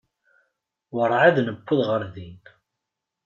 Ur εad newwiḍ ɣer din.